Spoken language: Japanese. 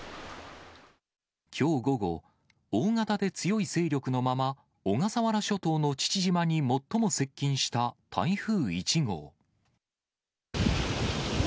きょう午後、大型で強い勢力のまま、小笠原諸島の父島に最も接近した台風１号。